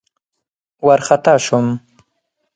وارخطا شوم.